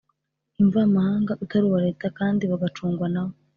Imvamahanga utari uwa Leta kandi bagacungwa na wo